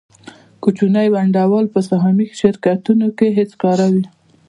کوچني ونډه وال په سهامي شرکتونو کې هېڅکاره وي